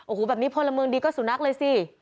โอ้โหแบบนี้พลเมืองดีก็สุนัขเลยสิ